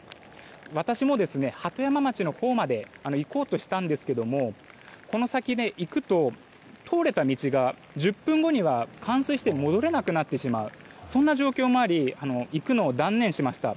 私も鳩山町のほうまで行こうとしたんですがこの先、行くと通れた道が１０分後には冠水して戻れなくなってしまうという状況もあり行くのを断念しました。